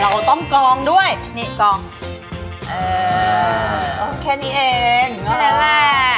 เราต้องกองด้วยนี่กองเออโอ้แค่นี้เองอันแหละ